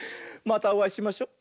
またおあいしましょ。